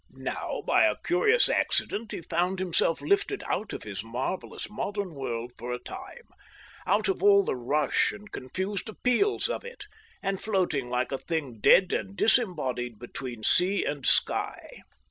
Now by a curious accident he found himself lifted out of his marvellous modern world for a time, out of all the rush and confused appeals of it, and floating like a thing dead and disembodied between sea and sky.